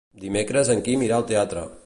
Dimecres en Quim irà al teatre.